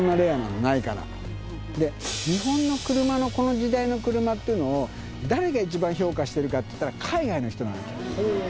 で日本の車のこの時代の車っていうのを誰が一番評価してるかっていったら海外の人なのよ。